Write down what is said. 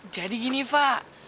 jadi gini fa